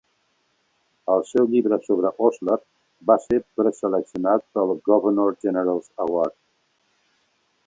El seu llibre sobre Osler va ser preseleccionat pel Governor General's Award.